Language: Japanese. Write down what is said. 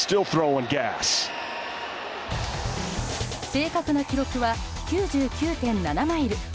正確な記録は９９．７マイル。